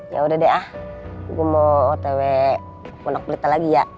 ya udah deh ah gue mau otw aku nge plit lagi ya